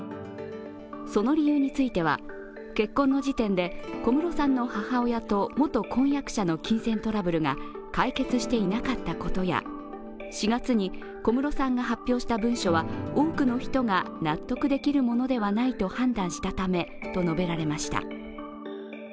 その理由については結婚の時点で、小室さんの母親と元婚約者の金銭トラブルが解決していなかったことや４月に小室さんが発表した文書は多くの人が納得できるものではないと判断したためと述べられました。